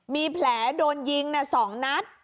มีแผลโดนยิง๒นัด